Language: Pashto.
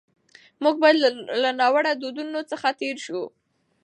موږ باید له ناوړه دودونو څخه تېر سو.